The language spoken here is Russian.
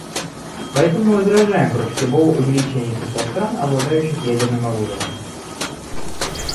Поэтому мы возражаем против любого увеличения числа стран, обладающих ядерным оружием.